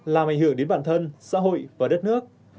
làm ảnh hưởng đến bản thân xã hội và đất nước